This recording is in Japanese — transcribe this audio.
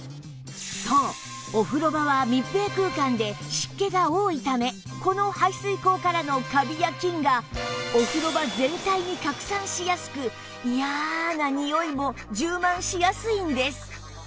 そうお風呂場は密閉空間で湿気が多いためこの排水口からのカビや菌がお風呂場全体に拡散しやすくいやなにおいも充満しやすいんです